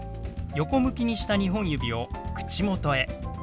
横向きにした２本指を口元へ。